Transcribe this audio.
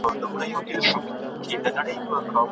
تاسو بايد د دې سړي له پوهې څخه درس واخلئ.